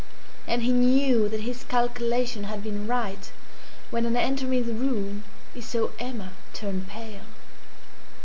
And he knew that his calculation had been right when, on entering the room, he saw Emma turn pale.